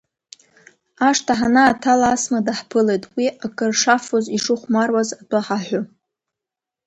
Ашҭа ҳанааҭала, Асма дааҳԥылеит, уи акыршафоз, ишыхәмаруаз атәы ҳаҳәо.